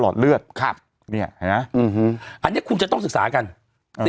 เด็กวัยรุ่นอายุน้อยกว่า๒๕ปี